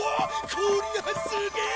こりゃあすげえ！